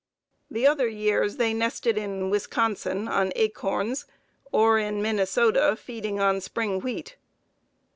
The other years they nested in Wisconsin on acorns, or in Minnesota, feeding on spring wheat.